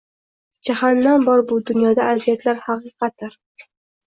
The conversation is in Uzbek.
Jahannam bor bu dunyoda aziyatlar haqiqatdir